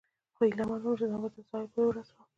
خو هیله من ووم، چې ځان به تر ساحل پورې ورسوم.